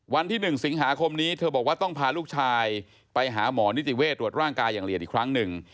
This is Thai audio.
วันที่๑สิงหาคมนี้เธอบอกว่าต้องพาลูกชายไปหาหมอนิติเวศตรวจร่างกายอย่างละเอียดอีกครั้งหนึ่ง